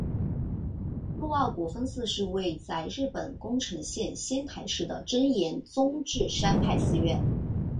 陆奥国分寺是位在日本宫城县仙台市的真言宗智山派寺院。